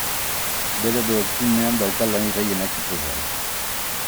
Bere webgunean dauzka lanik gehienak ikusgai.